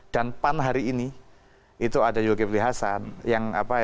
dan pan hari ini itu ada zulkifli hasan